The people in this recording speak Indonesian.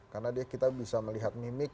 karena kita bisa melihat mimik